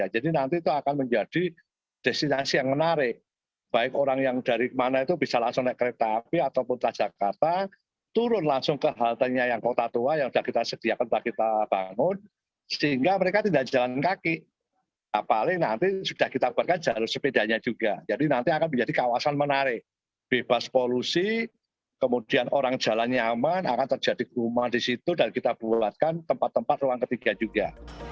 jadi nanti akan menjadi kawasan menarik bebas polusi kemudian orang jalan nyaman akan terjadi kumar di situ dan kita buatkan tempat tempat ruang ketiga juga